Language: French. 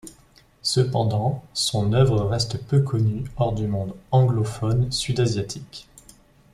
Cependant, son œuvre reste peu connue hors du monde anglophone sud-asiatique.